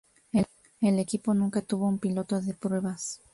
El equipo nunca tuvo un piloto de pruebas.